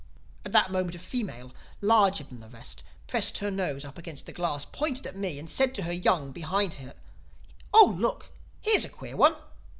"At that moment a female, larger than the rest, pressed her nose up against the glass, pointed at me and said to her young behind her, 'Oh, look, here's a queer one!